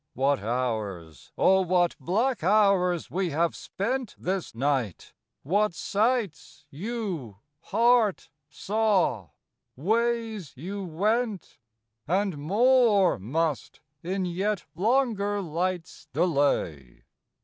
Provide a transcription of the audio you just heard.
What hours, O what black hoiirs we have spent This night ! what sights you, heart, saw ; ways you went ! And more must, in yet longer light's delay.